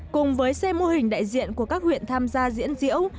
cùng với xe mô hình đại diện của các huyện tham gia diễn diễu